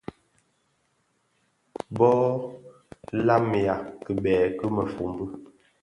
Bo lamiya kibèè ki mëfombi,